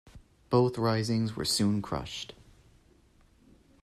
Both risings were soon crushed.